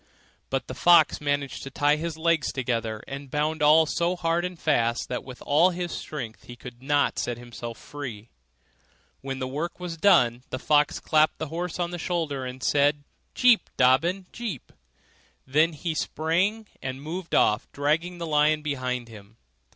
But the fox managed to tie his legs together and bound all so hard and fast that with all his strength he could not set himself free. When the work was done, the fox clapped the horse on the shoulder, and said, 'Jip! Dobbin! Jip!' Then up he sprang, and moved off, dragging the lion behind him.